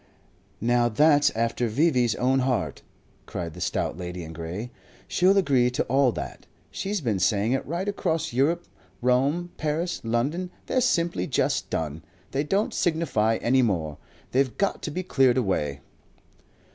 "Now that's after V.V.'s own heart," cried the stout lady in grey. "She'll agree to all that. She's been saying it right across Europe. Rome, Paris, London; they're simply just done. They don't signify any more. They've got to be cleared away."